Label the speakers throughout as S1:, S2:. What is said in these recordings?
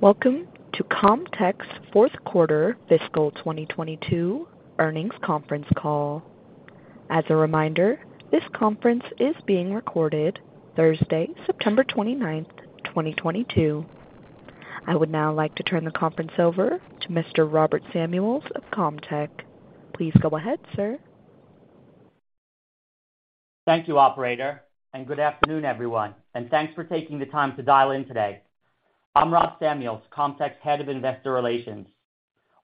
S1: Welcome to Comtech's Q4 fiscal 2022 earnings conference call. As a reminder, this conference is being recorded Thursday, September 29th, 2022. I would now like to turn the conference over to Mr. Robert Samuels of Comtech. Please go ahead, sir.
S2: Thank you, operator, and good afternoon, everyone, and thanks for taking the time to dial in today. I'm Rob Samuels, Comtech's Head of Investor Relations.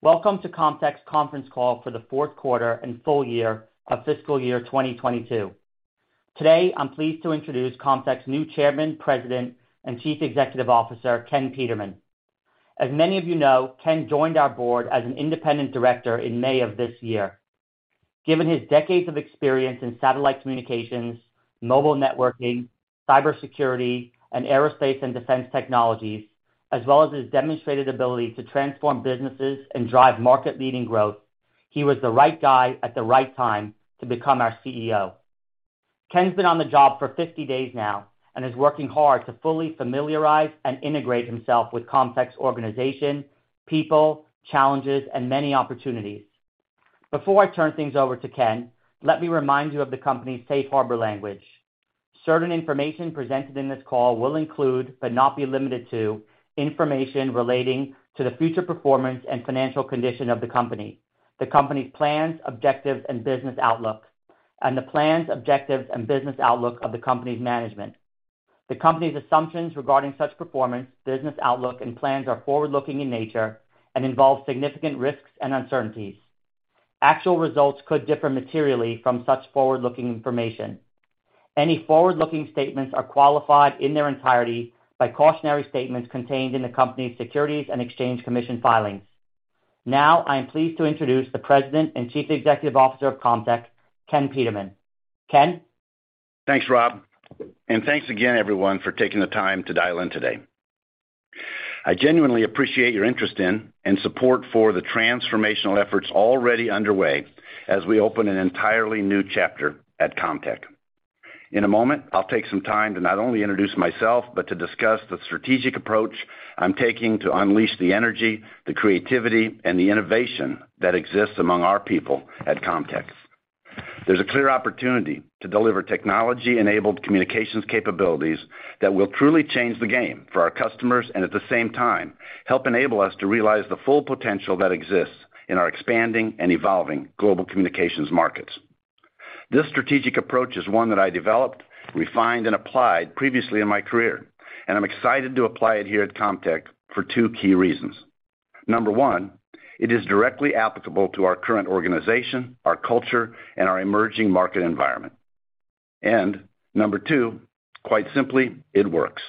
S2: Welcome to Comtech's conference call for the Q4 and full year of fiscal year 2022. Today, I'm pleased to introduce Comtech's new Chairman, President, and Chief Executive Officer, Ken Peterman. As many of you know, Ken joined our board as an independent director in May of this year. Given his decades of experience in satellite communications, mobile networking, cybersecurity, and aerospace and defense technologies, as well as his demonstrated ability to transform businesses and drive market-leading growth, he was the right guy at the right time to become our CEO. Ken's been on the job for 50 days now and is working hard to fully familiarize and integrate himself with Comtech's organization, people, challenges, and many opportunities. Before I turn things over to Ken, let me remind you of the company's Safe Harbor language. Certain information presented in this call will include, but not be limited to, information relating to the future performance and financial condition of the company, the company's plans, objectives, and business outlook, and the plans, objectives, and business outlook of the company's management. The company's assumptions regarding such performance, business outlook, and plans are forward-looking in nature and involve significant risks and uncertainties. Actual results could differ materially from such forward-looking information. Any forward-looking statements are qualified in their entirety by cautionary statements contained in the company's Securities and Exchange Commission filings. Now, I am pleased to introduce the President and Chief Executive Officer of Comtech, Ken Peterman. Ken?
S3: Thanks, Rob. Thanks again, everyone, for taking the time to dial in today. I genuinely appreciate your interest in and support for the transformational efforts already underway as we open an entirely new chapter at Comtech. In a moment, I'll take some time to not only introduce myself, but to discuss the strategic approach I'm taking to unleash the energy, the creativity, and the innovation that exists among our people at Comtech. There's a clear opportunity to deliver technology-enabled communications capabilities that will truly change the game for our customers and at the same time, help enable us to realize the full potential that exists in our expanding and evolving global communications markets. This strategic approach is one that I developed, refined, and applied previously in my career, and I'm excited to apply it here at Comtech for two key reasons. Number one, it is directly applicable to our current organization, our culture, and our emerging market environment. Number two, quite simply, it works.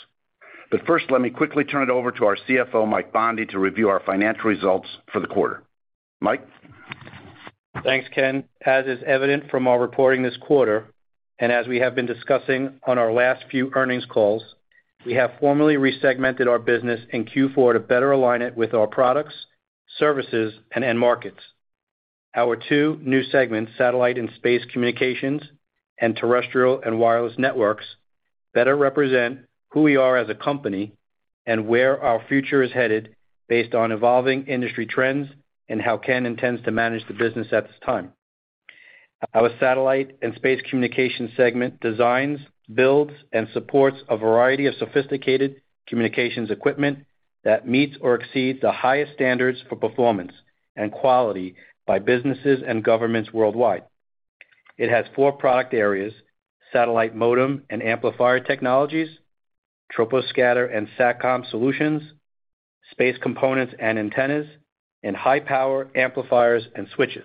S3: First, let me quickly turn it over to our CFO, Mike Bondi, to review our financial results for the quarter. Mike.
S4: Thanks, Ken. As is evident from our reporting this quarter, and as we have been discussing on our last few earnings calls, we have formally re-segmented our business in Q4 to better align it with our products, services, and end markets. Our two new segments, Satellite and Space Communications and Terrestrial and Wireless Networks, better represent who we are as a company and where our future is headed based on evolving industry trends and how Ken intends to manage the business at this time. Our Satellite and Space Communications segment designs, builds, and supports a variety of sophisticated communications equipment that meets or exceeds the highest standards for performance and quality by businesses and governments worldwide. It has four product areas, satellite modem and amplifier technologies, Troposcatter and SATCOM solutions, space components and antennas, and high-power amplifiers and switches.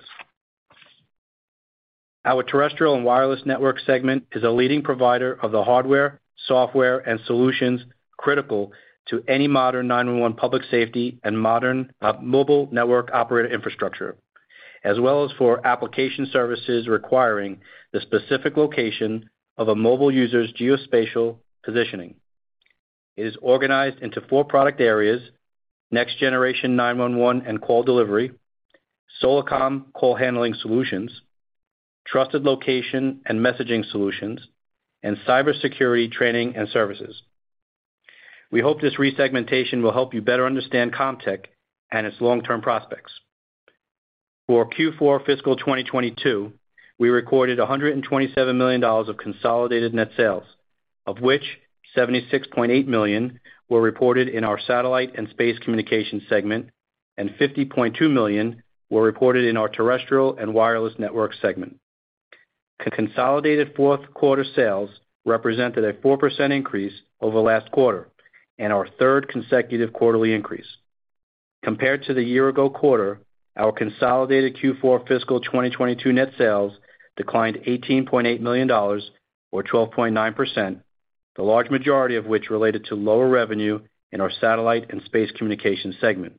S4: Our Terrestrial and Wireless Networks segment is a leading provider of the hardware, software, and solutions critical to any modern 911 public safety and modern mobile network operator infrastructure, as well as for application services requiring the specific location of a mobile user's geospatial positioning. It is organized into four product areas, next-generation 911 and call delivery, Solacom call handling solutions, trusted location and messaging solutions, and cybersecurity training and services. We hope this re-segmentation will help you better understand Comtech and its long-term prospects. For Q4 fiscal 2022, we recorded $127 million of consolidated net sales, of which $76.8 million were reported in our Satellite and Space Communications segment, and $50.2 million were reported in our Terrestrial and Wireless Networks segment. Consolidated Q4 sales represented a 4% increase over last quarter and our third consecutive quarterly increase. Compared to the year-ago quarter, our consolidated Q4 fiscal 2022 net sales declined $18.8 million or 12.9%, the large majority of which related to lower revenue in our Satellite and Space Communications segment.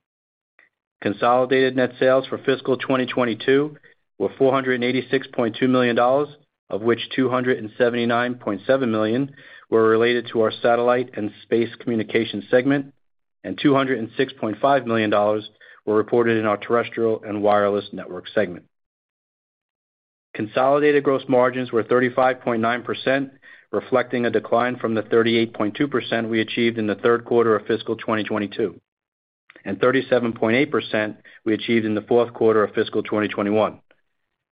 S4: Consolidated net sales for fiscal 2022 were $486.2 million, of which $279.7 million were related to our Satellite and Space Communications segment, and $206.5 million were reported in our Terrestrial and Wireless Networks segment. Consolidated gross margins were 35.9%, reflecting a decline from the 38.2% we achieved in the Q3 of fiscal 2022, and 37.8% we achieved in the Q4 of fiscal 2021.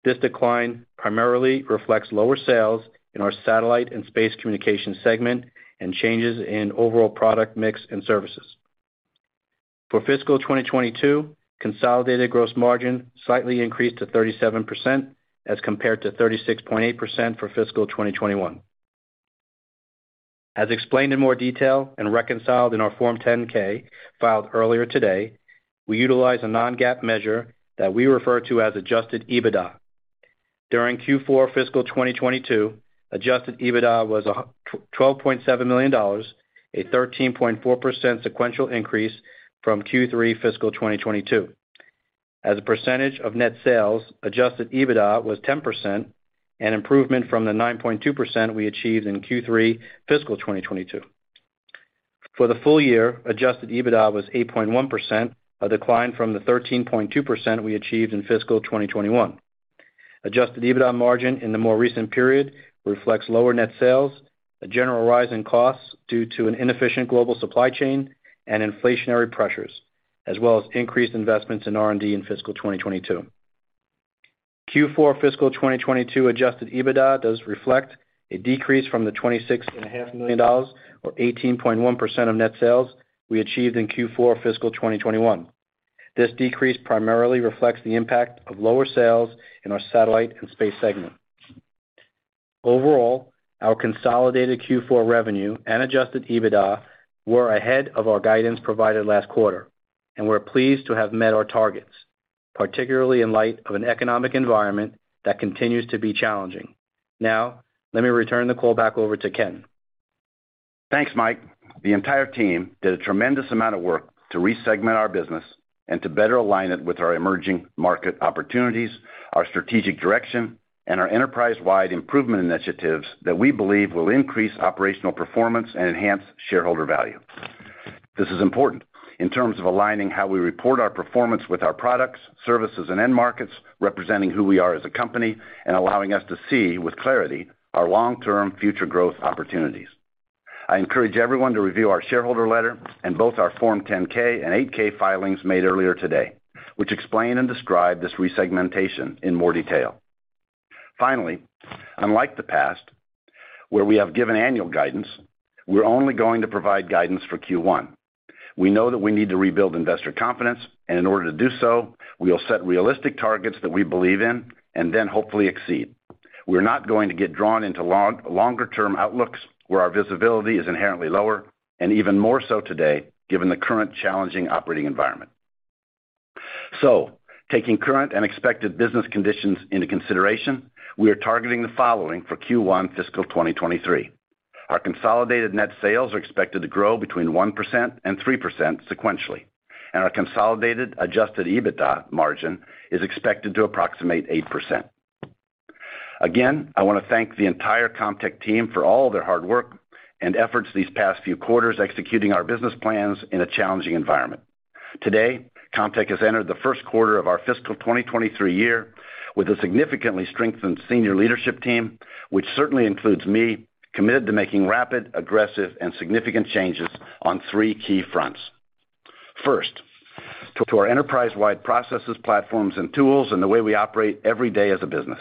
S4: This decline primarily reflects lower sales in our Satellite and Space Communications segment and changes in overall product mix and services. For fiscal 2022, consolidated gross margin slightly increased to 37% as compared to 36.8% for fiscal 2021. As explained in more detail and reconciled in our Form 10-K filed earlier today, we utilize a non-GAAP measure that we refer to as adjusted EBITDA. During Q4 fiscal 2022, adjusted EBITDA was $12.7 million, a 13.4% sequential increase from Q3 fiscal 2022. As a percentage of net sales, adjusted EBITDA was 10%, an improvement from the 9.2% we achieved in Q3 fiscal 2022. For the full year, adjusted EBITDA was 8.1%, a decline from the 13.2% we achieved in fiscal 2021. Adjusted EBITDA margin in the more recent period reflects lower net sales, a general rise in costs due to an inefficient global supply chain and inflationary pressures, as well as increased investments in R&D in fiscal 2022. Q4 fiscal 2022 Adjusted EBITDA does reflect a decrease from the $26.5 million or 18.1% of net sales we achieved in Q4 fiscal 2021. This decrease primarily reflects the impact of lower sales in our satellite and space segment. Overall, our consolidated Q4 revenue and Adjusted EBITDA were ahead of our guidance provided last quarter, and we're pleased to have met our targets, particularly in light of an economic environment that continues to be challenging. Now, let me return the call back over to Ken.
S3: Thanks, Mike. The entire team did a tremendous amount of work to re-segment our business and to better align it with our emerging market opportunities, our strategic directions, and our enterprise-wide improvement initiatives that we believe will increase operational performance and enhance shareholder value. This is important in terms of aligning how we report our performance with our products, services, and end markets, representing who we are as a company, and allowing us to see with clarity our long-term future growth opportunities. I encourage everyone to review our shareholder letter and both our Form 10-K and 8-K filings made earlier today, which explain and describe this resegmentation in more detail. Finally, unlike the past, where we have given annual guidance, we're only going to provide guidance for Q1. We know that we need to rebuild investor confidence, and in order to do so, we will set realistic targets that we believe in and then hopefully exceed. We're not going to get drawn into longer-term outlooks where our visibility is inherently lower and even more so today given the current challenging operating environment. Taking current and expected business conditions into consideration, we are targeting the following for Q1 fiscal 2023. Our consolidated net sales are expected to grow between 1% and 3% sequentially, and our consolidated adjusted EBITDA margin is expected to approximate 8%. Again, I wanna thank the entire Comtech team for all of their hard work and efforts these past few quarters, executing our business plans in a challenging environment. Today, Comtech has entered the Q1 of our fiscal 2023 year with a significantly strengthened senior leadership team, which certainly includes me, committed to making rapid, aggressive, and significant changes on three key fronts. First, to our enterprise-wide processes, platforms, and tools and the way we operate every day as a business.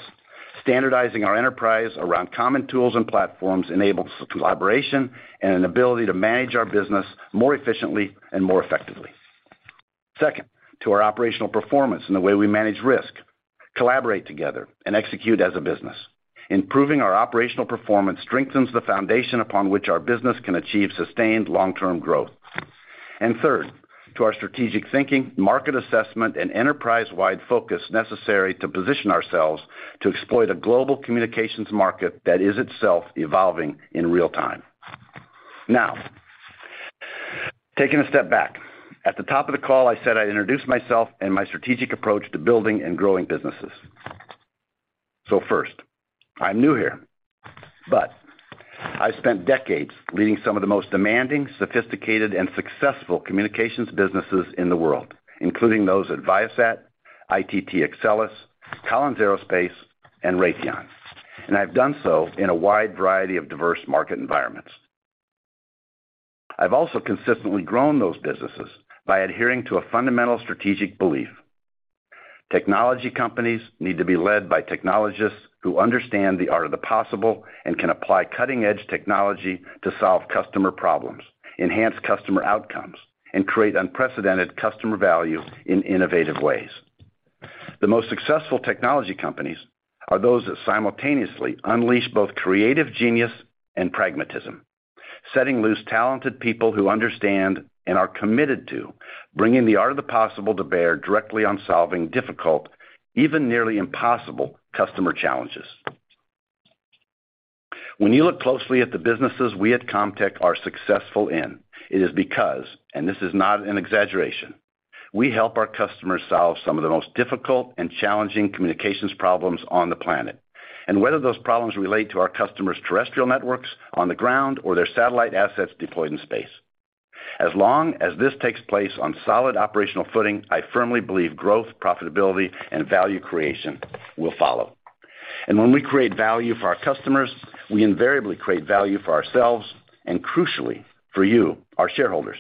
S3: Standardizing our enterprise around common tools and platforms enables collaboration and an ability to manage our business more efficiently and more effectively. Second, to our operational performance and the way we manage risk, collaborate together, and execute as a business. Improving our operational performance strengthens the foundation upon which our business can achieve sustained long-term growth. Third, to our strategic thinking, market assessment, and enterprise-wide focus necessary to position ourselves to exploit a global communications market that is itself evolving in real time. Now, taking a step back. At the top of the call, I said I'd introduce myself and my strategic approach to building and growing businesses. First, I'm new here, but I've spent decades leading some of the most demanding, sophisticated, and successful communications businesses in the world, including those at Viasat, ITT Exelis, Collins Aerospace, and Raytheon. I've done so in a wide variety of diverse market environments. I've also consistently grown those businesses by adhering to a fundamental strategic belief. Technology companies need to be led by technologists who understand the art of the possible and can apply cutting-edge technology to solve customer problems, enhance customer outcomes, and create unprecedented customer value in innovative ways. The most successful technology companies are those that simultaneously unleash both creative genius and pragmatism, setting loose talented people who understand and are committed to bringing the art of the possible to bear directly on solving difficult, even nearly impossible customer challenges. When you look closely at the businesses we at Comtech are successful in, it is because, and this is not an exaggeration, we help our customers solve some of the most difficult and challenging communications problems on the planet, and whether those problems relate to our customers' terrestrial networks on the ground or their satellite assets deployed in space. As long as this takes place on solid operational footing, I firmly believe growth, profitability and value creation will follow. When we create value for our customers, we invariably create value for ourselves and crucially, for you, our shareholders.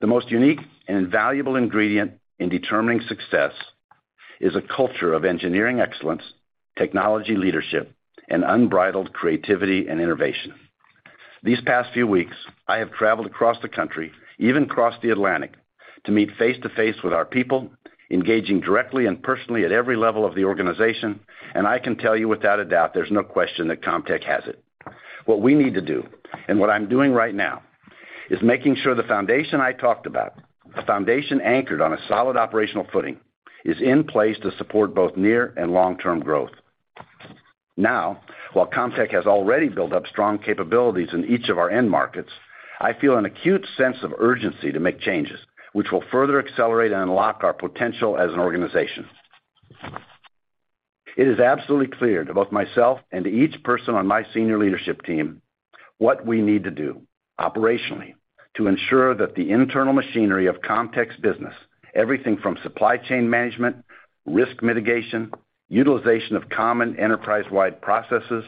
S3: The most unique and valuable ingredient in determining success is a culture of engineering excellence, technology leadership and unbridled creativity and innovation. These past few weeks, I have traveled across the country, even crossed the Atlantic, to meet face to face with our people, engaging directly and personally at every level of the organization, and I can tell you without a doubt, there's no question that Comtech has it. What we need to do, and what I'm doing right now, is making sure the foundation I talked about, the foundation anchored on a solid operational footing, is in place to support both near and long-term growth. Now, while Comtech has already built up strong capabilities in each of our end markets, I feel an acute sense of urgency to make changes which will further accelerate and unlock our potential as an organization. It is absolutely clear to both myself and to each person on my senior leadership team what we need to do operationally to ensure that the internal machinery of Comtech's business, everything from supply chain management, risk mitigation, utilization of common enterprise-wide processes,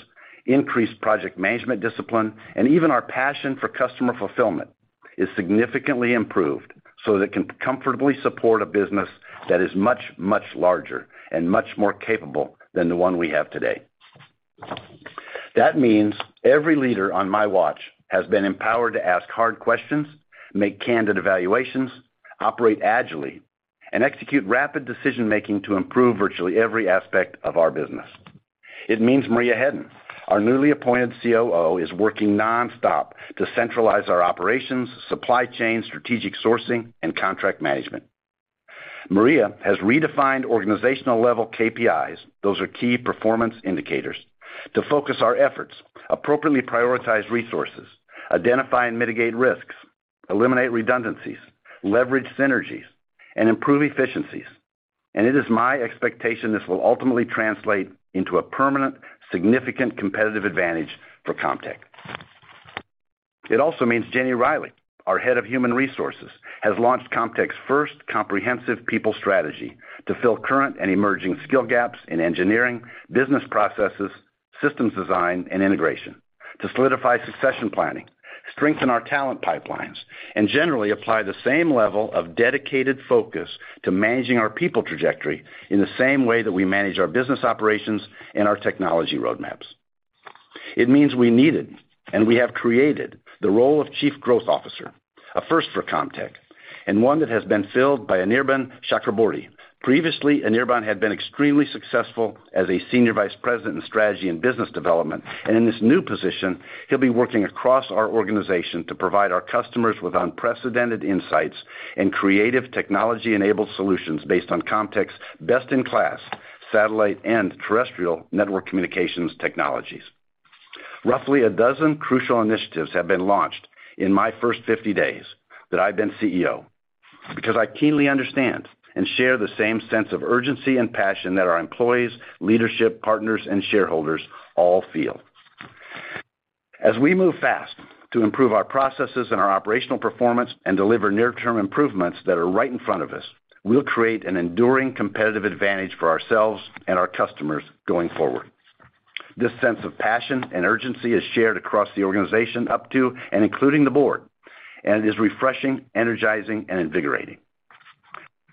S3: increased project management discipline, and even our passion for customer fulfillment, is significantly improved so that it can comfortably support a business that is much, much larger and much more capable than the one we have today. That means every leader on my watch has been empowered to ask hard questions, make candid evaluations, operate agilely, and execute rapid decision-making to improve virtually every aspect of our business. It means Maria Hedden, our newly appointed COO, is working nonstop to centralize our operations, supply chain, strategic sourcing and contract management. Maria has redefined organizational-level KPIs, those are key performance indicators, to focus our efforts, appropriately prioritize resources, identify and mitigate risks, eliminate redundancies, leverage synergies, and improve efficiencies. It is my expectation this will ultimately translate into a permanent, significant competitive advantage for Comtech. It also means Jennie Reilly, our Head of Human Resources, has launched Comtech's first comprehensive people strategy to fill current and emerging skill gaps in engineering, business processes, systems design and integration, to solidify succession planning, strengthen our talent pipelines, and generally apply the same level of dedicated focus to managing our people trajectory in the same way that we manage our business operations and our technology roadmaps. It means we needed, and we have created, the role of Chief Growth Officer, a first for Comtech, and one that has been filled by Anirban Chakraborty. Previously, Anirban had been extremely successful as a senior vice president in strategy and business development, and in this new position, he'll be working across our organization to provide our customers with unprecedented insights and creative technology-enabled solutions based on Comtech's best-in-class satellite and terrestrial network communications technologies. Roughly a dozen crucial initiatives have been launched in my first 50 days that I've been CEO because I keenly understand and share the same sense of urgency and passion that our employees, leadership, partners, and shareholders all feel. As we move fast to improve our processes and our operational performance and deliver near-term improvements that are right in front of us, we'll create an enduring competitive advantage for ourselves and our customers going forward. This sense of passion and urgency is shared across the organization up to and including the board, and it is refreshing, energizing and invigorating.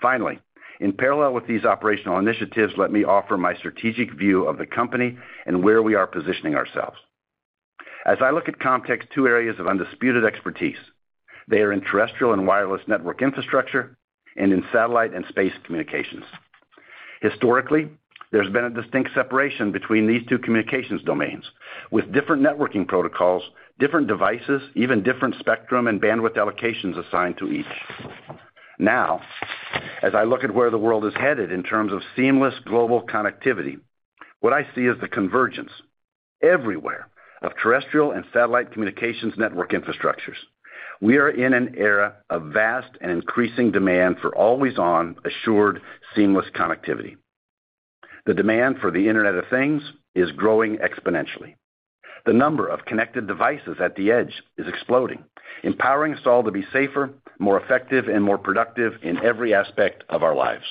S3: Finally, in parallel with these operational initiatives, let me offer my strategic view of the company and where we are positioning ourselves. As I look at Comtech's two areas of undisputed expertise, they are in terrestrial and wireless network infrastructure and in satellite and space communications. Historically, there's been a distinct separation between these two communications domains with different networking protocols, different devices, even different spectrum and bandwidth allocations assigned to each. Now, as I look at where the world is headed in terms of seamless global connectivity, what I see is the convergence everywhere of terrestrial and satellite communications network infrastructures. We are in an era of vast and increasing demand for always-on, assured, seamless connectivity. The demand for the Internet of Things is growing exponentially. The number of connected devices at the edge is exploding, empowering us all to be safer, more effective, and more productive in every aspect of our lives.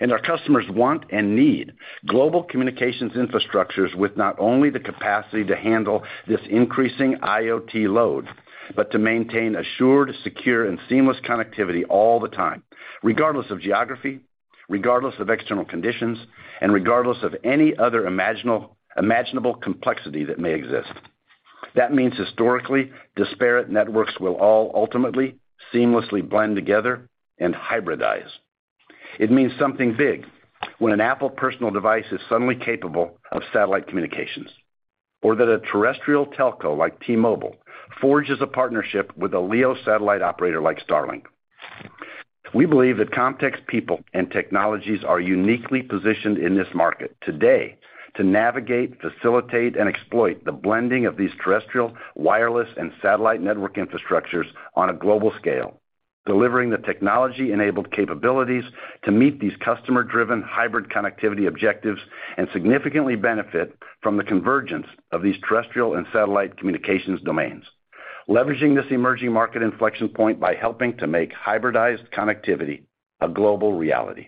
S3: Our customers want and need global communications infrastructures with not only the capacity to handle this increasing IoT load, but to maintain assured, secure, and seamless connectivity all the time, regardless of geography, regardless of external conditions, and regardless of any other imaginable complexity that may exist. That means historically disparate networks will all ultimately seamlessly blend together and hybridize. It means something big when an Apple personal device is suddenly capable of satellite communications, or that a terrestrial telco like T-Mobile forges a partnership with a LEO satellite operator like Starlink. We believe that Comtech's people and technologies are uniquely positioned in this market today to navigate, facilitate, and exploit the blending of these terrestrial, wireless, and satellite network infrastructures on a global scale. Delivering the technology-enabled capabilities to meet these customer-driven hybrid connectivity objectives and significantly benefit from the convergence of these terrestrial and satellite communications domains. Leveraging this emerging market inflection point by helping to make hybridized connectivity a global reality.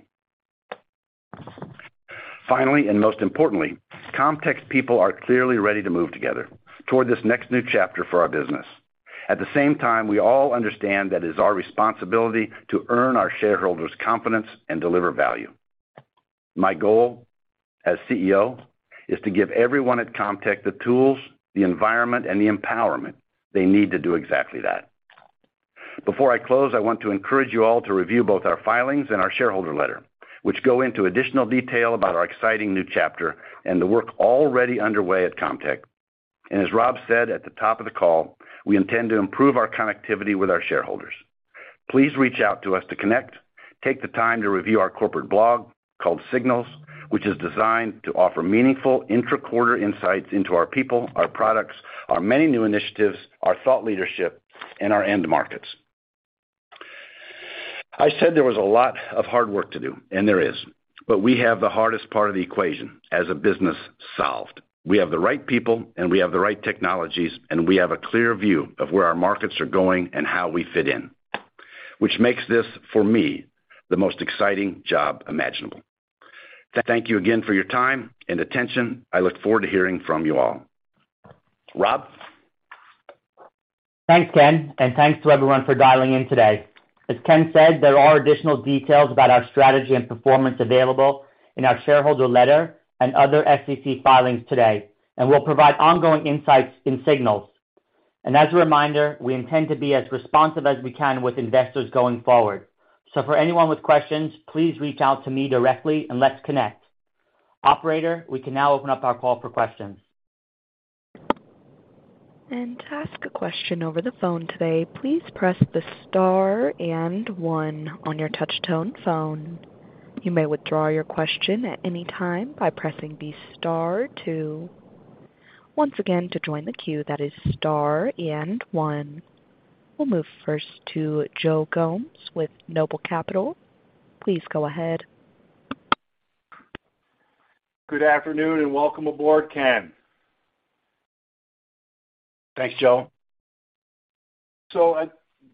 S3: Finally, and most importantly, Comtech's people are clearly ready to move together toward this next new chapter for our business. At the same time, we all understand that it is our responsibility to earn our shareholders' confidence and deliver value. My goal as CEO is to give everyone at Comtech the tools, the environment, and the empowerment they need to do exactly that. Before I close, I want to encourage you all to review both our filings and our shareholder letter, which go into additional detail about our exciting new chapter and the work already underway at Comtech. As Rob said at the top of the call, we intend to improve our connectivity with our shareholders. Please reach out to us to connect. Take the time to review our corporate blog, called Signals, which is designed to offer meaningful intra-quarter insights into our people, our products, our many new initiatives, our thought leadership, and our end markets. I said there was a lot of hard work to do, and there is, but we have the hardest part of the equation as a business solved. We have the right people, and we have the right technologies, and we have a clear view of where our markets are going and how we fit in, which makes this, for me, the most exciting job imaginable. Thank you again for your time and attention. I look forward to hearing from you all. Rob?
S2: Thanks, Ken, and thanks to everyone for dialing in today. As Ken said, there are additional details about our strategy and performance available in our shareholder letter and other SEC filings today, and we'll provide ongoing insights in Signals. As a reminder, we intend to be as responsive as we can with investors going forward. For anyone with questions, please reach out to me directly and let's connect. Operator, we can now open up our call for questions.
S1: To ask a question over the phone today, please press the Star and one on your touchtone phone. You may withdraw your question at any time by pressing the Star two. Once again, to join the queue, that is Star and one. We'll move first to Joe Gomes with Noble Capital Markets. Please go ahead.
S5: Good afternoon, and welcome aboard, Ken.
S3: Thanks, Joe.
S5: I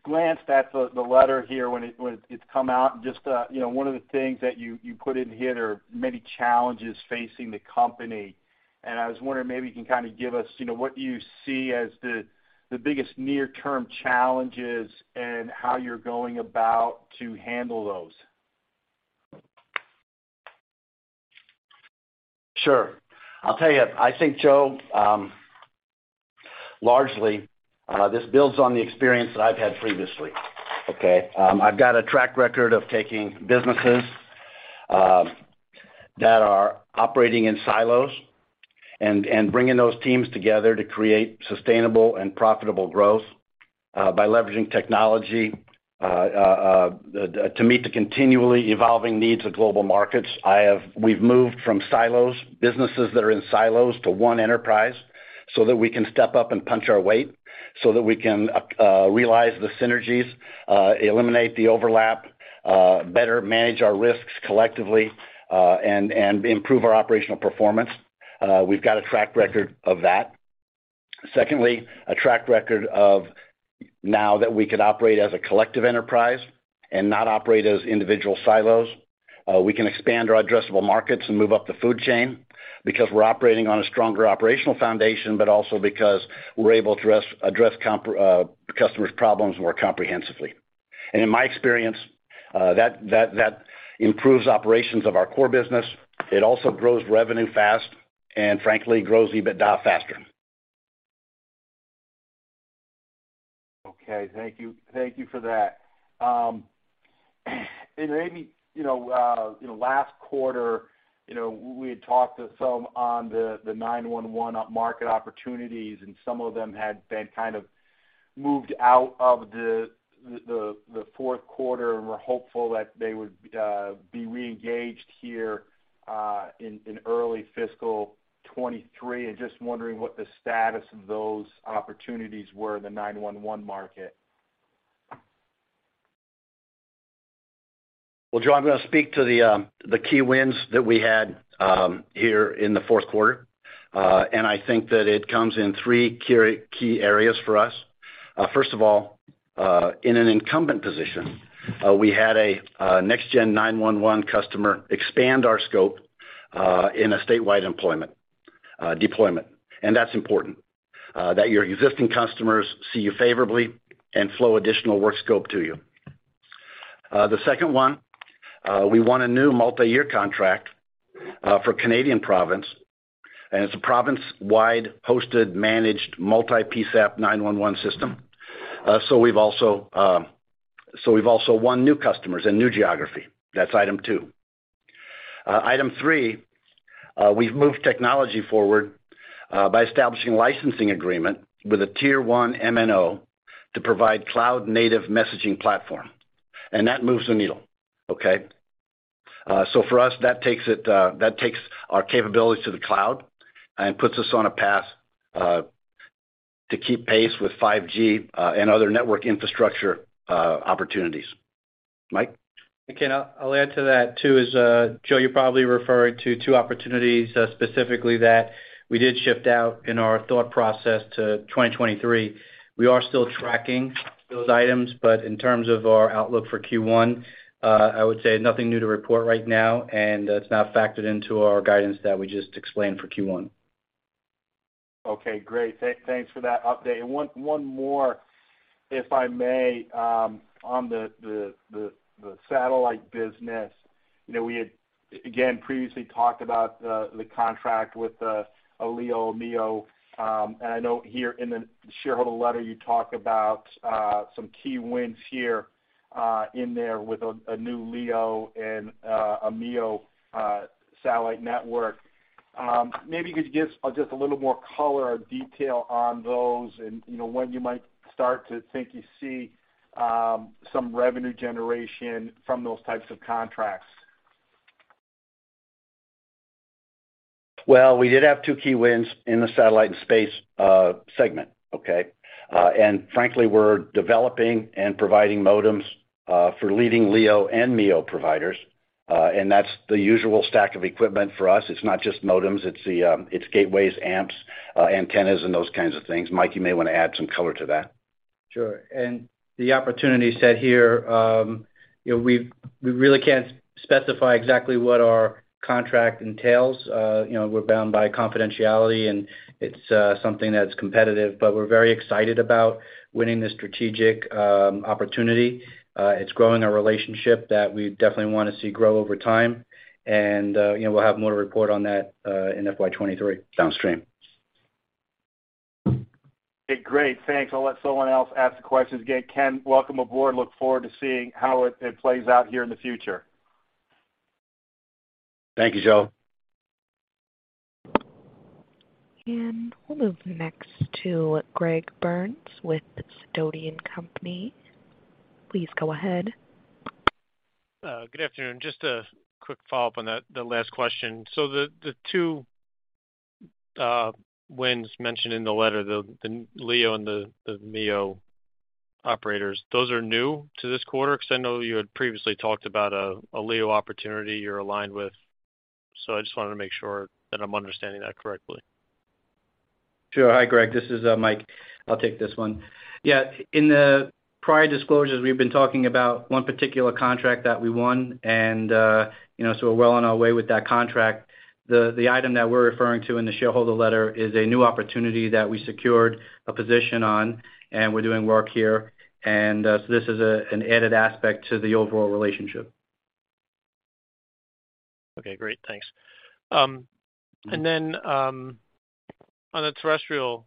S5: glanced at the letter here when it's come out, and just, you know, one of the things that you put in here are many challenges facing the company. I was wondering maybe you can kind of give us, you know, what you see as the biggest near-term challenges and how you're going about to handle those.
S3: Sure. I'll tell you, I think, Joe, largely, this builds on the experience that I've had previously, okay? I've got a track record of taking businesses that are operating in silos and bringing those teams together to create sustainable and profitable growth by leveraging technology to meet the continually evolving needs of global markets. We've moved from silos, businesses that are in silos to one enterprise so that we can step up and punch our weight so that we can realize the synergies, eliminate the overlap, better manage our risks collectively, and improve our operational performance. We've got a track record of that. Secondly, a track record now that we could operate as a collective enterprise and not operate as individual silos, we can expand our addressable markets and move up the food chain because we're operating on a stronger operational foundation, but also because we're able to address customers' problems more comprehensively. In my experience, that improves operations of our core business. It also grows revenue fast and frankly, grows EBITDA faster.
S5: Okay, thank you. Thank you for that. Maybe, you know, last quarter, you know, we had talked to some on the 911 up market opportunities, and some of them had been kind of moved out of the Q4, and we're hopeful that they would be reengaged here in early fiscal 2023. I'm just wondering what the status of those opportunities were in the 911 market.
S3: Well, Joe, I'm gonna speak to the key wins that we had here in the Q4. I think that it comes in three key areas for us. First of all, in an incumbent position, we had a next-gen 911 customer expand our scope in a statewide deployment. That's important that your existing customers see you favorably and flow additional work scope to you. The second one, we won a new multi-year contract for Canadian province, and it's a province-wide hosted, managed, multi-PSAP 911 system. So we've also won new customers in new geography. That's item two. Item three, we've moved technology forward by establishing licensing agreement with a tier one MNO to provide cloud-native messaging platform. That moves the needle. Okay? For us, that takes our capabilities to the cloud and puts us on a path to keep pace with 5G and other network infrastructure opportunities. Mike?
S4: Again, I'll add to that too is, Joe, you're probably referring to two opportunities, specifically that we did shift out in our thought process to 2023. We are still tracking those items, but in terms of our outlook for Q1, I would say nothing new to report right now, and it's not factored into our guidance that we just explained for Q1.
S5: Okay, great. Thanks for that update. One more, if I may, on the satellite business. You know, we had, again, previously talked about the contract with a LEO/MEO, and I know here in the shareholder letter you talk about some key wins here and there with a new LEO and a MEO satellite network. Maybe could you give just a little more color or detail on those and, you know, when you might start to think you see some revenue generation from those types of contracts?
S3: Well, we did have two key wins in the satellite and space segment. Okay? Frankly, we're developing and providing modems for leading LEO and MEO providers, and that's the usual stack of equipment for us. It's not just modems, it's gateways, amps, antennas, and those kinds of things. Mike, you may wanna add some color to that.
S4: Sure. The opportunity set here, we really can't specify exactly what our contract entails. We're bound by confidentiality, and it's something that's competitive, but we're very excited about winning this strategic opportunity. It's growing a relationship that we definitely wanna see grow over time. We'll have more to report on that in FY 2023.
S3: Downstream.
S5: Okay, great. Thanks. I'll let someone else ask the questions. Again, Ken, welcome aboard. Look forward to seeing how it plays out here in the future.
S3: Thank you, Joe.
S1: We'll move next to Greg Burns with Sidoti & Company. Please go ahead.
S6: Good afternoon. Just a quick follow-up on that, the last question. The two wins mentioned in the letter, the LEO and the MEO operators, those are new to this quarter? 'Cause I know you had previously talked about a LEO opportunity you're aligned with, so I just wanted to make sure that I'm understanding that correctly.
S4: Sure. Hi, Greg. This is Mike. I'll take this one. Yeah, in the prior disclosures, we've been talking about one particular contract that we won and, you know, we're well on our way with that contract. The item that we're referring to in the shareholder letter is a new opportunity that we secured a position on, and we're doing work here. This is an added aspect to the overall relationship.
S6: Okay, great. Thanks. On the terrestrial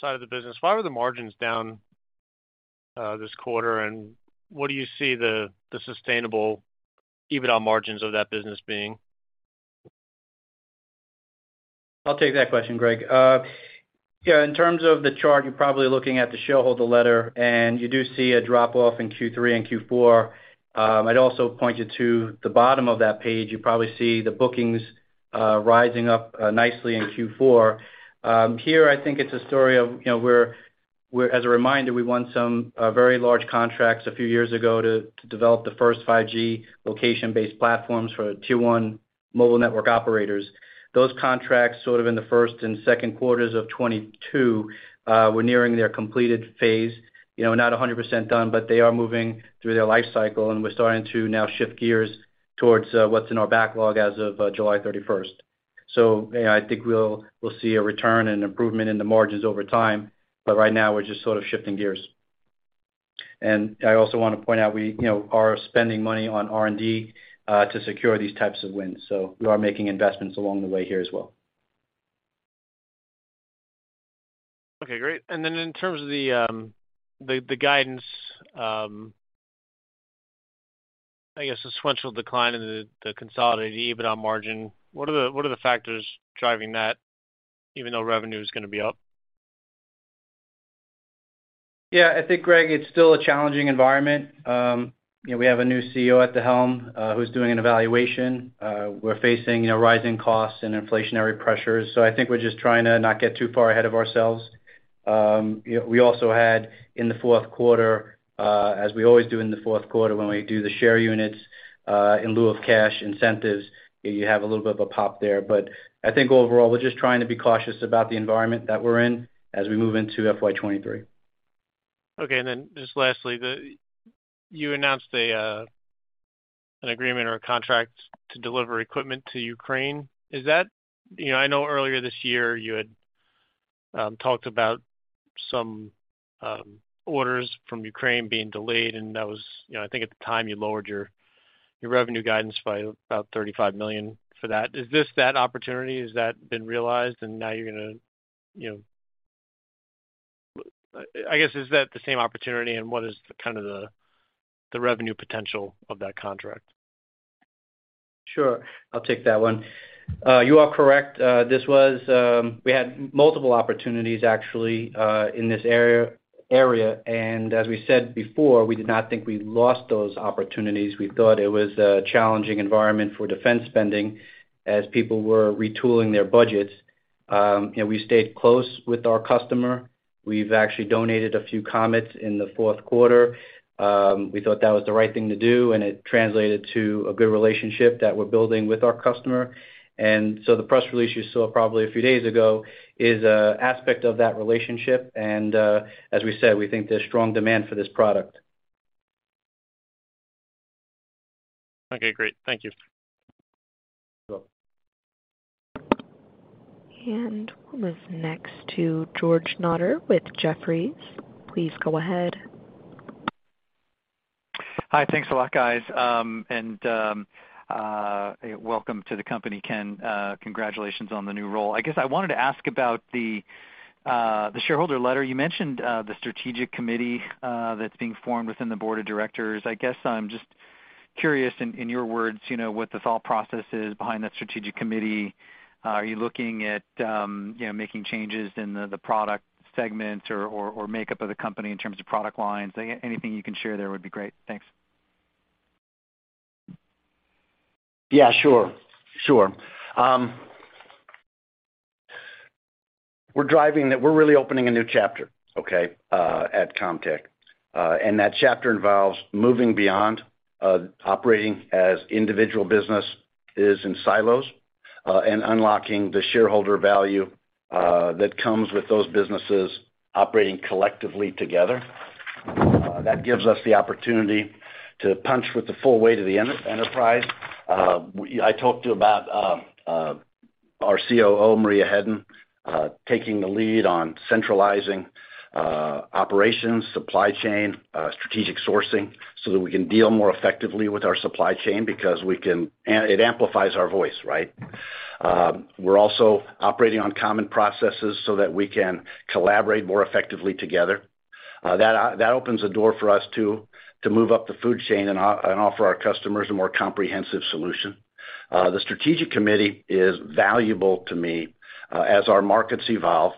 S6: side of the business, why were the margins down this quarter, and what do you see the sustainable EBITDA margins of that business being?
S4: I'll take that question, Greg. Yeah, in terms of the chart, you're probably looking at the shareholder letter, and you do see a drop-off in Q3 and Q4. I'd also point you to the bottom of that page. You probably see the bookings rising up nicely in Q4. Here I think it's a story of, you know, as a reminder, we won some very large contracts a few years ago to develop the first 5G location-based platforms for Tier One mobile network operators. Those contracts sort of in the first and Q2s of 2022 were nearing their completed phase, you know, not 100% done, but they are moving through their life cycle, and we're starting to now shift gears towards what's in our backlog as of July 31st. I think we'll see a return and improvement in the margins over time. Right now, we're just sort of shifting gears. I also wanna point out we, you know, are spending money on R&D to secure these types of wins, so we are making investments along the way here as well.
S6: Okay, great. In terms of the guidance, I guess, the sequential decline in the consolidated EBITDA margin, what are the factors driving that even though revenue is gonna be up?
S4: Yeah. I think, Greg, it's still a challenging environment. You know, we have a new CEO at the helm, who's doing an evaluation. We're facing, you know, rising costs and inflationary pressures. I think we're just trying to not get too far ahead of ourselves. You know, we also had in the Q4, as we always do in the Q4 when we do the share units, in lieu of cash incentives, you have a little bit of a pop there. I think overall, we're just trying to be cautious about the environment that we're in as we move into FY 2023.
S6: Okay. Then just lastly, you announced an agreement or a contract to deliver equipment to Ukraine. Is that? You know, I know earlier this year you had talked about some orders from Ukraine being delayed, and that was, you know, I think at the time you lowered your revenue guidance by about $35 million for that. Is this that opportunity? Has that been realized and now you're gonna, you know. I guess, is that the same opportunity and what is the kind of the revenue potential of that contract?
S4: Sure. I'll take that one. You are correct. This was. We had multiple opportunities actually in this area, and as we said before, we did not think we lost those opportunities. We thought it was a challenging environment for defense spending as people were retooling their budgets. We stayed close with our customer. We've actually donated a few COMET in the Q4. We thought that was the right thing to do, and it translated to a good relationship that we're building with our customer. The press release you saw probably a few days ago is aspect of that relationship, and as we said, we think there's strong demand for this product.
S6: Okay, great. Thank you.
S4: You're welcome.
S1: We'll move next to George Notter with Jefferies. Please go ahead.
S7: Hi. Thanks a lot, guys. Welcome to the company, Ken. Congratulations on the new role. I guess I wanted to ask about the shareholder letter. You mentioned the strategic committee that's being formed within the board of directors. I guess I'm just curious in your words, you know, what the thought process is behind that strategic committee. Are you looking at you know, making changes in the product segment or makeup of the company in terms of product lines? Anything you can share there would be great. Thanks.
S3: Yeah. Sure. We're really opening a new chapter, okay, at Comtech. That chapter involves moving beyond operating as individual businesses in silos and unlocking the shareholder value that comes with those businesses operating collectively together. That gives us the opportunity to punch with the full weight of the enterprise. I talked to you about our COO, Maria Hedden, taking the lead on centralizing operations, supply chain, strategic sourcing so that we can deal more effectively with our supply chain because it amplifies our voice, right? We're also operating on common processes so that we can collaborate more effectively together. That opens the door for us to move up the food chain and offer our customers a more comprehensive solution. The strategic committee is valuable to me, as our markets evolve,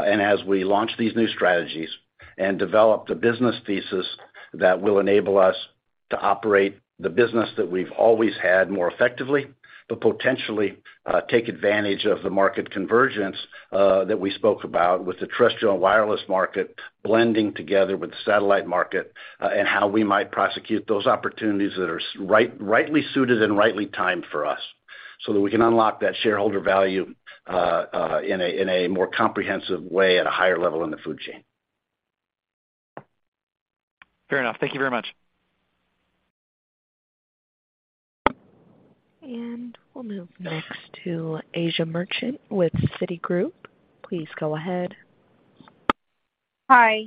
S3: and as we launch these new strategies and develop the business thesis that will enable us to operate the business that we've always had more effectively, but potentially, take advantage of the market convergence, that we spoke about with the terrestrial and wireless market blending together with the satellite market, and how we might prosecute those opportunities that are rightly suited and rightly timed for us, so that we can unlock that shareholder value, in a more comprehensive way at a higher level in the food chain.
S7: Fair enough. Thank you very much.
S1: We'll move next to Asiya Merchant with Citigroup. Please go ahead.
S8: Hi.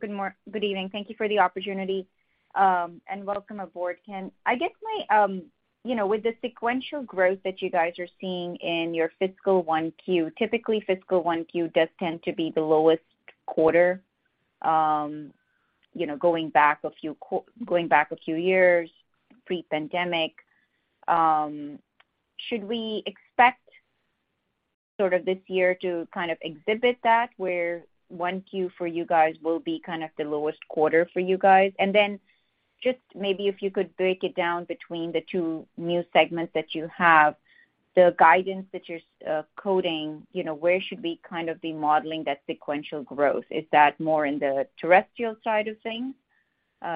S8: Good evening. Thank you for the opportunity, and welcome aboard, Ken. I guess, you know, with the sequential growth that you guys are seeing in your fiscal 1Q, typically fiscal 1Q does tend to be the lowest quarter, you know, going back a few years, pre-pandemic. Should we expect sort of this year to kind of exhibit that, where 1Q for you guys will be kind of the lowest quarter for you guys? Just maybe if you could break it down between the two new segments that you have, the guidance that you're quoting, you know, where should we kind of be modeling that sequential growth? Is that more in the terrestrial side of things,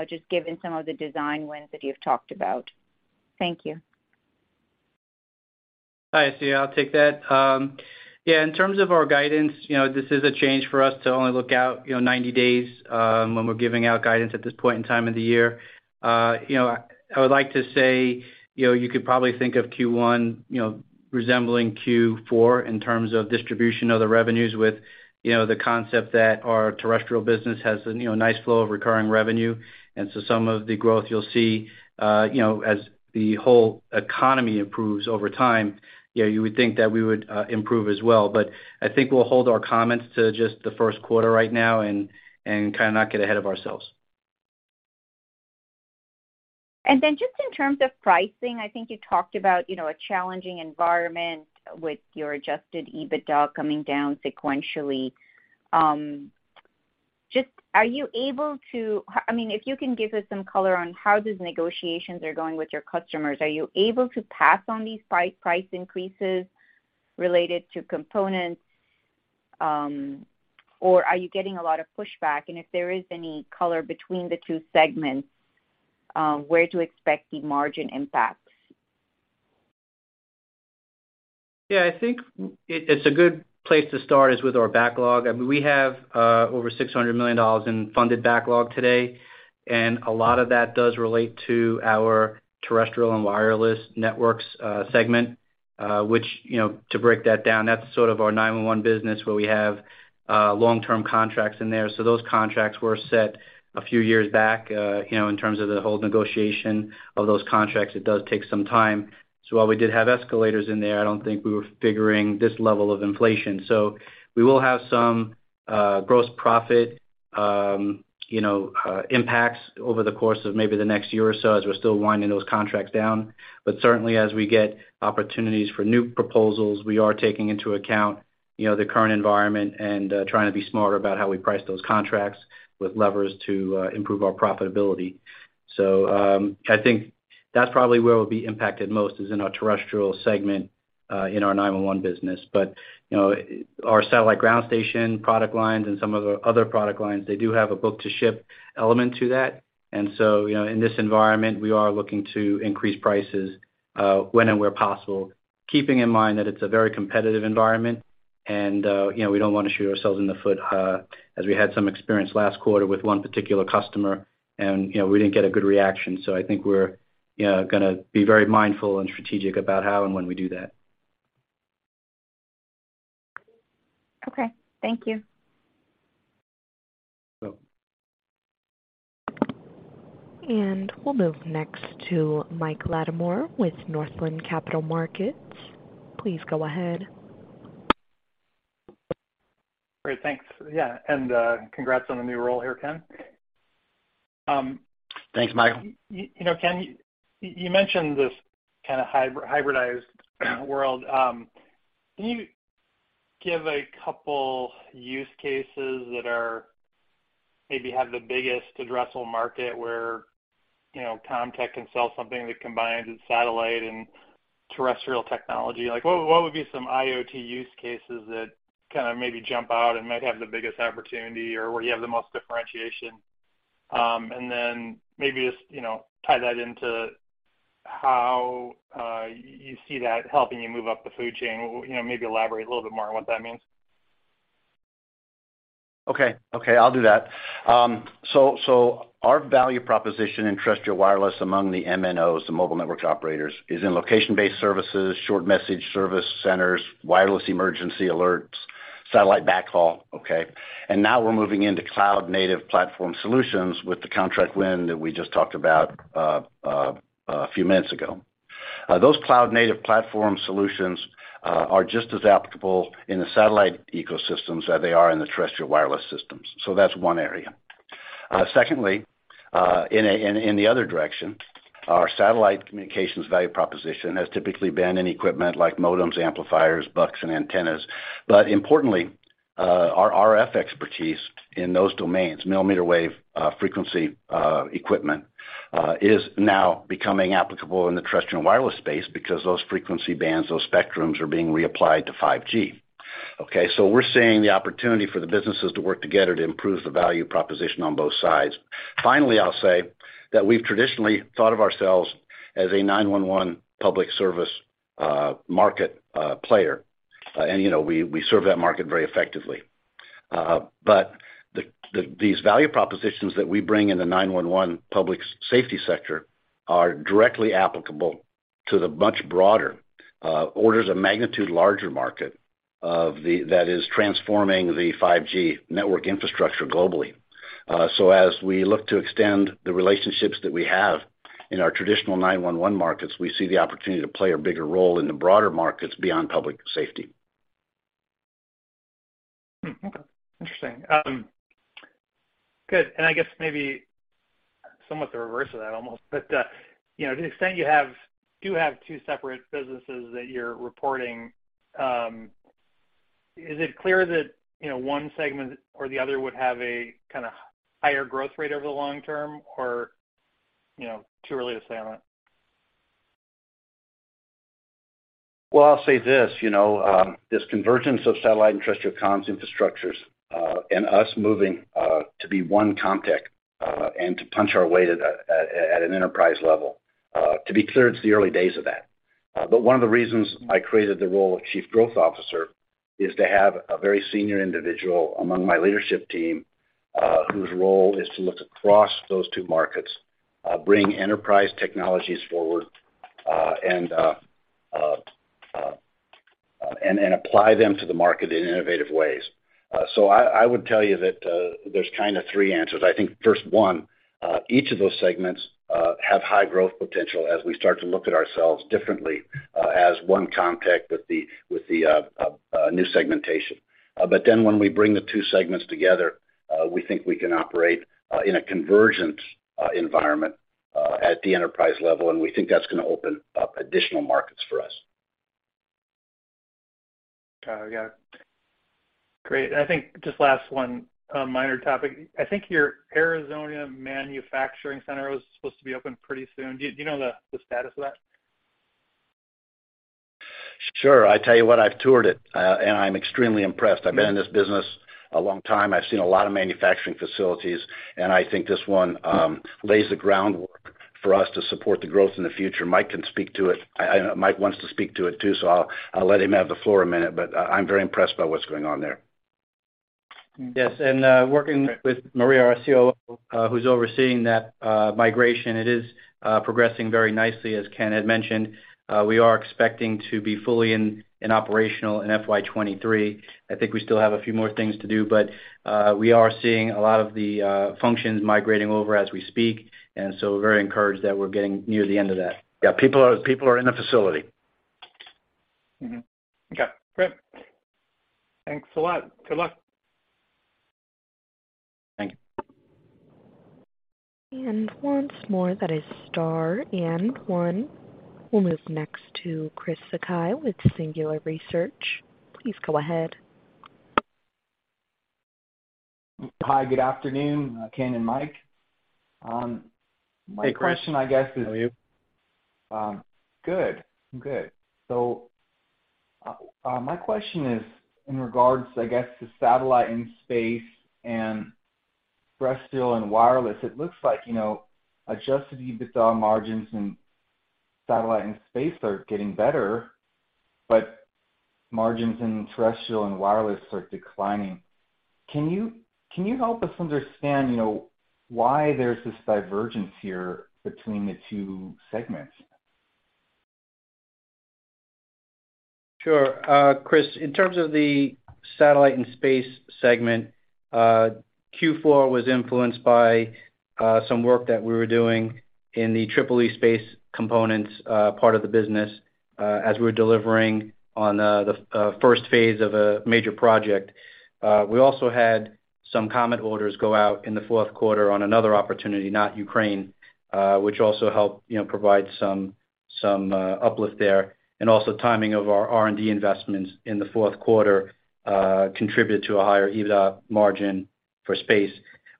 S8: just given some of the design wins that you've talked about? Thank you.
S4: Hi, Asiya. I'll take that. Yeah, in terms of our guidance, you know, this is a change for us to only look out, you know, 90 days, when we're giving out guidance at this point in time of the year. You know, I would like to say, you know, you could probably think of Q1, you know, resembling Q4 in terms of distribution of the revenues with, you know, the concept that our terrestrial business has a, you know, nice flow of recurring revenue. Some of the growth you'll see, you know, as the whole economy improves over time. Yeah, you would think that we would improve as well. I think we'll hold our comments to just the Q1 right now and kind of not get ahead of ourselves.
S8: Just in terms of pricing, I think you talked about, you know, a challenging environment with your adjusted EBITDA coming down sequentially. I mean, if you can give us some color on how these negotiations are going with your customers. Are you able to pass on these price increases related to components, or are you getting a lot of pushback? If there is any color between the two segments, where to expect the margin impacts?
S4: Yeah. I think it's a good place to start is with our backlog. I mean, we have over $600 million in funded backlog today, and a lot of that does relate to our Terrestrial and Wireless Networks segment, which, you know, to break that down, that's sort of our 911 business, where we have long-term contracts in there. Those contracts were set a few years back. You know, in terms of the whole negotiation of those contracts, it does take some time. While we did have escalators in there, I don't think we were figuring this level of inflation. We will have some gross profit. You know, impacts over the course of maybe the next year or so as we're still winding those contracts down. Certainly as we get opportunities for new proposals, we are taking into account, you know, the current environment and, trying to be smarter about how we price those contracts with levers to, improve our profitability. I think that's probably where we'll be impacted most is in our terrestrial segment, in our 911 business. You know, our satellite ground station product lines and some of our other product lines, they do have a book to ship element to that. You know, in this environment, we are looking to increase prices, when and where possible, keeping in mind that it's a very competitive environment, and, you know, we don't wanna shoot ourselves in the foot, as we had some experience last quarter with one particular customer, and, you know, we didn't get a good reaction. I think we're, you know, gonna be very mindful and strategic about how and when we do that.
S8: Okay. Thank you.
S4: You're welcome.
S1: We'll move next to Mike Latimore with Northland Capital Markets. Please go ahead.
S9: Great. Thanks. Yeah. Congrats on the new role here, Ken.
S3: Thanks, Michael.
S9: You know, Ken, you mentioned this kinda hybridized world. Can you give a couple use cases that maybe have the biggest addressable market where, you know, Comtech can sell something that combines its satellite and terrestrial technology? Like what would be some IoT use cases that kinda maybe jump out and might have the biggest opportunity, or where you have the most differentiation? And then maybe just, you know, tie that into how you see that helping you move up the food chain. You know, maybe elaborate a little bit more on what that means.
S3: Okay. I'll do that. Our value proposition in terrestrial wireless among the MNOs, the mobile network operators, is in location-based services, short message service centers, wireless emergency alerts, satellite backhaul, okay? Now we're moving into cloud-native platform solutions with the contract win that we just talked about a few minutes ago. Those cloud-native platform solutions are just as applicable in the satellite ecosystems as they are in the terrestrial wireless systems. That's one area. Secondly, in the other direction, our satellite communications value proposition has typically been in equipment like modems, amplifiers, BUCs, and antennas. Importantly, our RF expertise in those domains, millimeter wave frequency equipment, is now becoming applicable in the terrestrial and wireless space because those frequency bands, those spectrums are being reapplied to 5G. Okay, we're seeing the opportunity for the businesses to work together to improve the value proposition on both sides. Finally, I'll say that we've traditionally thought of ourselves as a 911 public safety market player, and, you know, we serve that market very effectively. These value propositions that we bring in the 911 public safety sector are directly applicable to the much broader, orders of magnitude larger market that is transforming the 5G network infrastructure globally. As we look to extend the relationships that we have in our traditional 911 markets, we see the opportunity to play a bigger role in the broader markets beyond public safety.
S9: Good. I guess maybe somewhat the reverse of that almost, but you know, to the extent you do have two separate businesses that you're reporting, is it clear that, you know, one segment or the other would have a kinda higher growth rate over the long term, or, you know, too early to say on that?
S3: Well, I'll say this, you know, this convergence of satellite and terrestrial comms infrastructures, and us moving to be one Comtech, and to punch our way at an enterprise level, to be clear, it's the early days of that. One of the reasons I created the role of chief growth officer is to have a very senior individual among my leadership team, whose role is to look across those two markets, bring enterprise technologies forward, and apply them to the market in innovative ways. I would tell you that, there's kinda three answers. I think first one, each of those segments have high growth potential as we start to look at ourselves differently, as one Comtech with the new segmentation. When we bring the two segments together, we think we can operate in a convergence environment at the enterprise level, and we think that's gonna open up additional markets for us.
S9: Got it. Yeah. Great. I think just last one, minor topic. I think your Arizona manufacturing center was supposed to be open pretty soon. Do you know the status of that?
S3: Sure. I tell you what, I've toured it, and I'm extremely impressed. I've been in this business a long time. I've seen a lot of manufacturing facilities, and I think this one lays the groundwork for us to support the growth in the future. Mike can speak to it. I know Mike wants to speak to it too, so I'll let him have the floor a minute. I'm very impressed by what's going on there.
S4: Yes. Working with Maria, our COO, who's overseeing that migration, it is progressing very nicely, as Ken had mentioned. We are expecting to be fully operational in FY 2023. I think we still have a few more things to do, but we are seeing a lot of the functions migrating over as we speak. We're very encouraged that we're getting near the end of that.
S3: Yeah. People are in the facility.
S9: Okay, great. Thanks a lot. Good luck.
S3: Thank you.
S1: Once more, that is star and one. We'll move next to Chris Sakai with Singular Research. Please go ahead.
S10: Hi, good afternoon, Ken and Mike. My question, I guess is.
S3: Hey, Chris. How are you?
S10: Good. I'm good. My question is in regards, I guess, to Satellite and Space and Terrestrial and Wireless. It looks like, you know, adjusted EBITDA margins in Satellite and Space are getting better, but margins in Terrestrial and Wireless are declining. Can you help us understand, you know, why there's this divergence here between the two segments?
S4: Sure. Chris, in terms of the satellite and space segment, Q4 was influenced by some work that we were doing in the EEE space components part of the business, as we were delivering on the first phase of a major project. We also had some customer orders go out in the Q4 on another opportunity, not Ukraine, which also helped, you know, provide some uplift there. Also, timing of our R&D investments in the Q4 contributed to a higher EBITDA margin for space.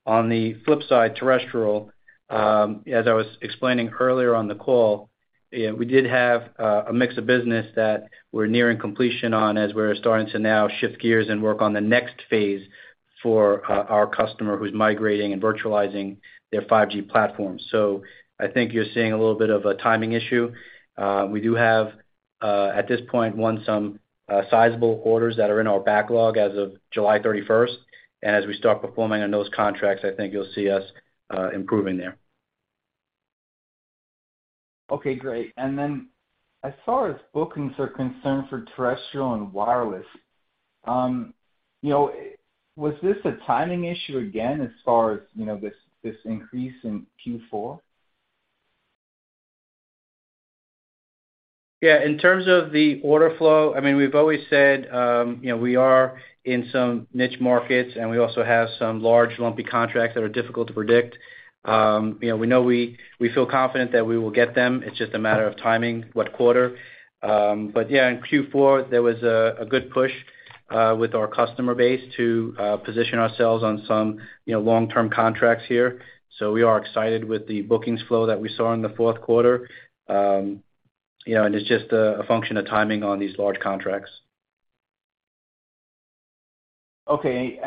S4: On the flip side, terrestrial, as I was explaining earlier on the call, yeah, we did have a mix of business that we're nearing completion on as we're starting to now shift gears and work on the next phase for our customer who's migrating and virtualizing their 5G platform. I think you're seeing a little bit of a timing issue. We do have, at this point, won some sizable orders that are in our backlog as of July 31st. As we start performing on those contracts, I think you'll see us improving there.
S10: Okay, great. As far as bookings are concerned for terrestrial and wireless, you know, was this a timing issue again, as far as, you know, this increase in Q4?
S4: Yeah, in terms of the order flow, I mean, we've always said, you know, we are in some niche markets, and we also have some large lumpy contracts that are difficult to predict. You know, we know we feel confident that we will get them. It's just a matter of timing, what quarter. Yeah, in Q4, there was a good push with our customer base to position ourselves on some, you know, long-term contracts here. We are excited with the bookings flow that we saw in the Q4. You know, it's just a function of timing on these large contracts.
S10: Okay.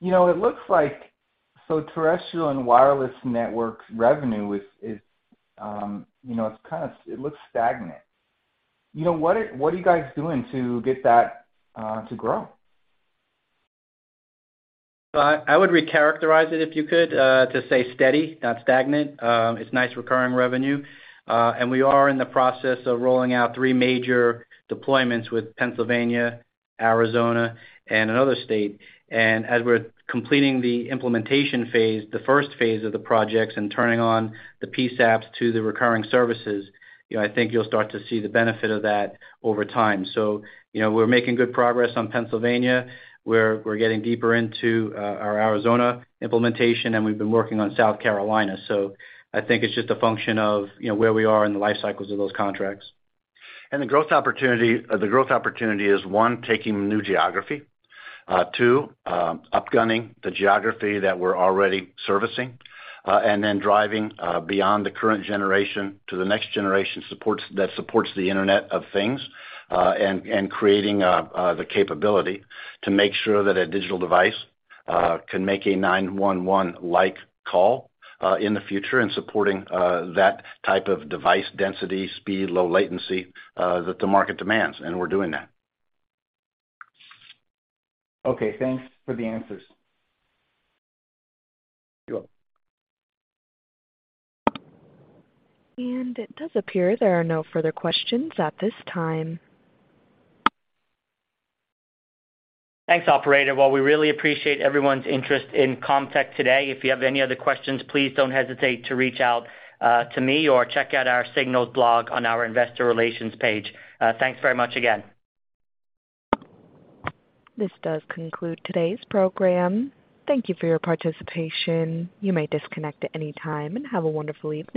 S10: You know, it looks like, so Terrestrial and Wireless Networks revenue is, you know, it's kind of stagnant. You know, what are you guys doing to get that to grow?
S4: I would recharacterize it, if you could, to say steady, not stagnant. It's nice recurring revenue. We are in the process of rolling out three major deployments with Pennsylvania, Arizona, and another state. As we're completing the implementation phase, the first phase of the projects, and turning on the PSAPs to the recurring services, you know, I think you'll start to see the benefit of that over time. You know, we're making good progress on Pennsylvania. We're getting deeper into our Arizona implementation, and we've been working on South Carolina. I think it's just a function of, you know, where we are in the life cycles of those contracts.
S3: The growth opportunity is, one, taking new geography. Two, up-gunning the geography that we're already servicing, and then driving beyond the current generation to the next generation that supports the Internet of Things, and creating the capability to make sure that a digital device can make a 911-like call in the future, and supporting that type of device density, speed, low latency that the market demands, and we're doing that.
S10: Okay, thanks for the answers.
S3: You're welcome.
S1: It does appear there are no further questions at this time.
S2: Thanks, operator. Well, we really appreciate everyone's interest in Comtech today. If you have any other questions, please don't hesitate to reach out to me, or check out our Signals Blog on our investor relations page. Thanks very much again.
S1: This does conclude today's program. Thank you for your participation. You may disconnect at any time, and have a wonderful evening.